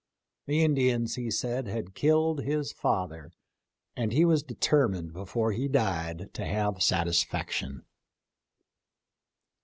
The Indians, he said, had killed his father, and he was determined before he died to have satisfaction."